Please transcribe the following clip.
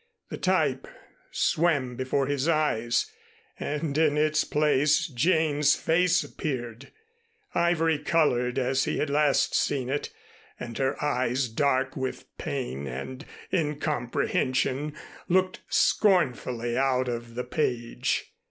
The type swam before his eyes and in its place Jane's face appeared, ivory colored as he had last seen it, and her eyes dark with pain and incomprehension looked scornfully out of the page.